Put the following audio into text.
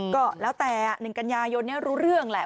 ก็แล้วแต่อ่ะหนึ่งกับยานยนต์นี่รู้เรื่องแหละ